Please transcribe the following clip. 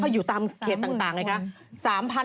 อยู่ตามเขตต่างไงคะ